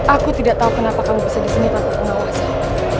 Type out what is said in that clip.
aku tidak tahu kenapa kamu berada di sini tanpa penawasan